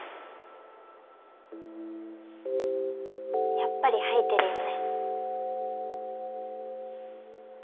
やっぱり吐いてるよね。